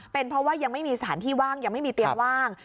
เป็นเพราะว่ายังไม่มีสถานที่ว่างยังไม่มีเตียงว่าง